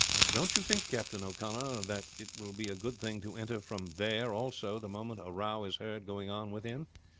"Don't you think, Captain O'Connor, that it will be a good thing to enter from there also the moment a row is heard going on within.